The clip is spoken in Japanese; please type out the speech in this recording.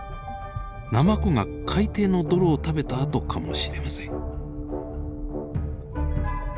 ナマコが海底の泥を食べた跡かもしれません。